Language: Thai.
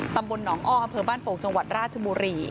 ตำบลหนองอ้ออำเภอบ้านโป่งจังหวัดราชบุรี